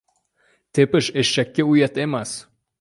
• Tepish eshakka uyat emas.